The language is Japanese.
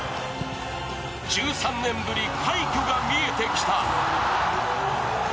１３年ぶり、快挙が見えてきた。